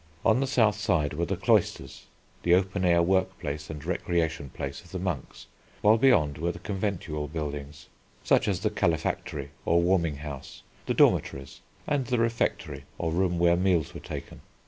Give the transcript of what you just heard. On the south side were the Cloisters, the open air work place and recreation place of the monks, while beyond were the conventual buildings such as the calefactory or warming house, the dormitories, and the refectory or room where meals were taken.